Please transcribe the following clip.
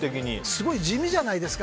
すごい地味じゃないですか。